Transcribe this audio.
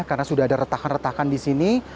karena sudah ada retakan retakan di sini